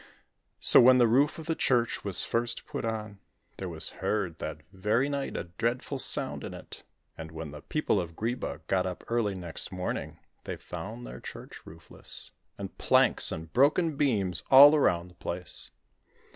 So when the roof of the church was first put on, there was heard that very night a dreadful sound in it, and when the people of Greeba got up early next morning they found their church roofless, and planks and broken beams all around the place.